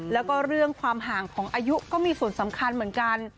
แล้วก็เรื่องความห่างของอายุก็มีส่วนสำคัญเหมือนกัน